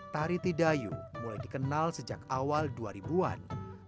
tari tidayu mulai dikenal sejak awal dua ribu an